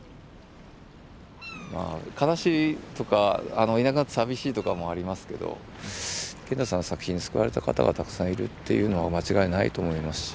まあ悲しいとかいなくなって寂しいとかもありますけど賢太さんの作品に救われた方がたくさんいるっていうのは間違いないと思いますし。